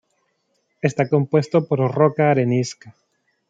Está compuesto por roca arenisca.